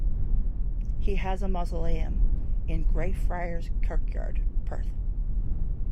He has a mausoleum in Greyfriars Kirkyard, Perth.